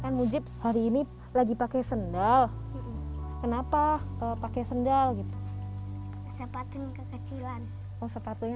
kan mujib hari ini lagi pakai sendal kenapa pakai sendal gitu siapain kekecilan kok sepatunya